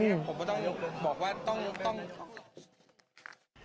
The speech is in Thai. ผมก็ต้องบอกว่าต้อง